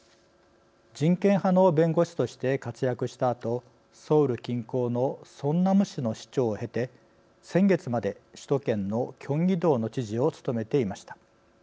人権派の弁護士として活躍したあとソウル近郊のソンナム市の市長を経て先月まで首都圏のキョンギ道の知事を務めていました。